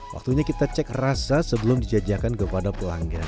waktunya kita cek rasa sebelum dijajakan kepada pelanggan